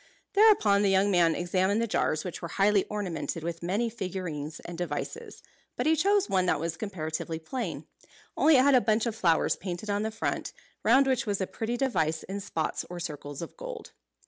Thereupon the young man examined the jars, which were highly ornamented with many figures and devices; but he chose one that was comparatively plain; only it had a bunch of flowers painted on the front, round which was a pretty device in spots or circles of gold.